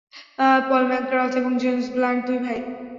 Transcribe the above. পল McGrath এবং James Blunt দুই ভাই।